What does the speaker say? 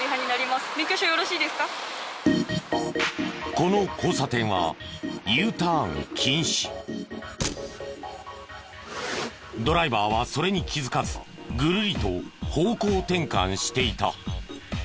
この交差点はドライバーはそれに気づかずぐるりと方向転換していた。